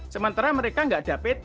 sementara mereka nggak ada pt